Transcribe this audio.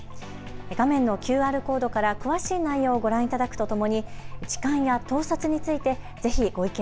画面のＱＲコードから詳しい内容をご覧いただくとともに痴漢や盗撮についてぜひご意見